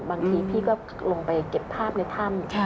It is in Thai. บางทีพี่ก็ลงไปเก็บภาพในถ้ำ